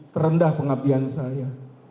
terendah pengabdian saya